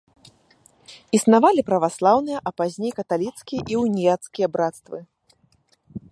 Існавалі праваслаўныя, а пазней каталіцкія і уніяцкія брацтвы.